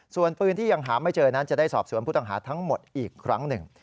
ส่วนปืนที่ยังหาไม่เจอนั้นจะได้สอบสวนผู้ต้องหาทั้งหมดอีกครั้งหนึ่ง